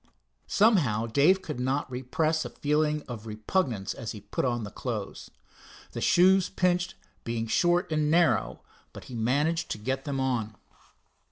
Somehow, Dave could not repress a feeling of repugnance as he put on the clothes. The shoes pinched, being short and narrow, but he managed to get them on.